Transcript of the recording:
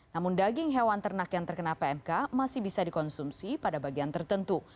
namun daging hewan ternak yang terkena pmk masih bisa dikonsumsi pada bagian tertentu